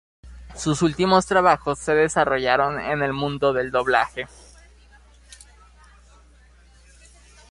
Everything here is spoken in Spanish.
Sus últimos trabajos se desarrollaron en el mundo del doblaje.